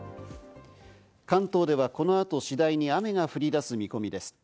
関東ではこの後、次第に雨が降り出す見込みです。